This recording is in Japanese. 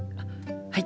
はい！